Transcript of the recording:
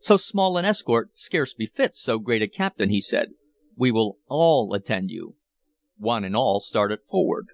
"So small an escort scarce befits so great a captain," he said. "We will all attend you." One and all started forward.